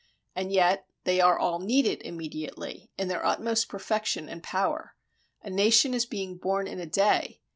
And yet they are all needed immediately in their utmost perfection and power. A nation is being 'born in a day.'